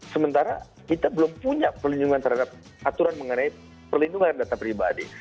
sementara kita belum punya perlindungan terhadap aturan mengenai perlindungan data pribadi